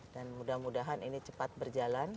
dan mudah mudahan ini cepat berjalan